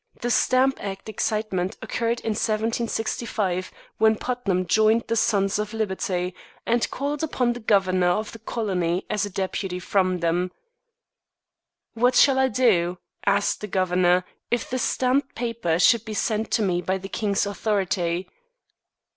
The Stamp Act excitement occurred in 1765, when Putnam joined the Sons of Liberty, and called upon the governor of the colony as a deputy from them. "What shall I do," asked the governor, "if the stamped paper should be sent to me by the king's authority?"